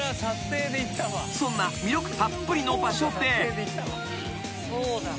［そんな魅力たっぷりの場所で］